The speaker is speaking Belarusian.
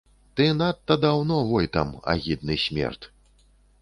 Ты надта даўно войтам, агідны смерд.